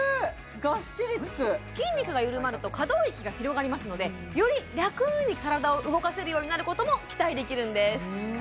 ガッシリつく筋肉が緩まると可動域が広がりますのでより楽に体を動かせるようになることも期待できるんです